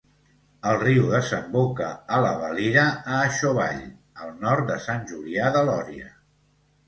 El riu desemboca a la Valira a Aixovall, al nord de Sant Julià de Lòria.